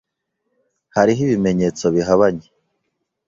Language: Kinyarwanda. Hariho ibimenyetso bihabanye.